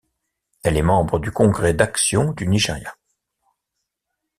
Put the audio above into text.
Elle est membre du Congrès d' action du Nigeria.